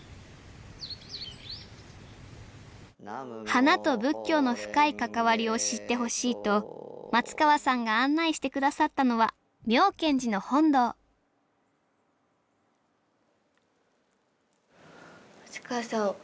花と仏教の深い関わりを知ってほしいと松川さんが案内して下さったのは妙顕寺の本堂松川さん